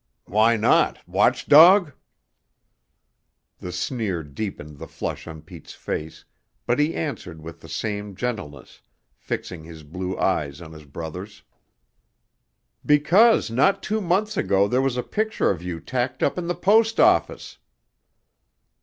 "Why not watchdog?" The sneer deepened the flush on Pete's face, but he answered with the same gentleness, fixing his blue eyes on his brother's. "Because not two months ago there was a picture of you tacked up in the post office."